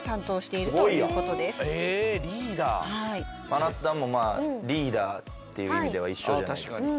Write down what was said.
まなったんもリーダーっていう意味では一緒じゃないですか。